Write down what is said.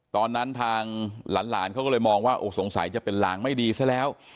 ตอนนั้นทางหลานเขาก็เลยมองว่าโอ้สงสัยจะเป็นลางไม่ดีซะแล้ว